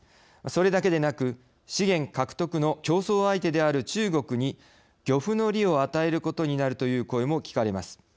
それだけでなく資源獲得の競争相手である中国に漁夫の利を与えることになるという声も聞かれます。